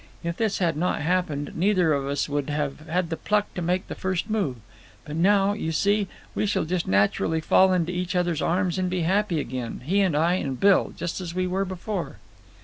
If this had not happened, neither of us would have had the pluck to make the first move; but now, you see, we shall just naturally fall into each other's arms and be happy again, he and I and Bill, just as we were before."